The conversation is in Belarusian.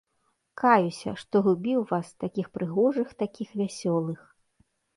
Каюся, што губіў вас, такіх прыгожых, такіх вясёлых!